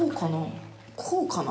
こうかな？